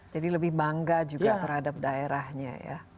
jadi lebih bangga juga terhadap daerahnya ya